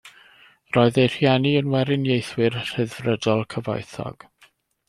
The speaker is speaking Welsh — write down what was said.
Roedd ei rhieni yn Weriniaethwyr Rhyddfrydol cyfoethog.